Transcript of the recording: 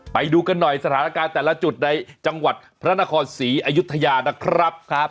ไปดูกันหน่อยสถานการณ์แต่ละจุดในจังหวัดพระนครศรีอยุธยานะครับ